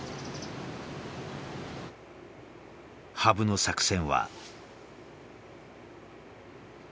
羽生の作戦は。